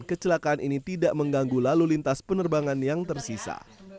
kecelakaan ini tidak mengganggu lalu lintas penerbangan yang tersisa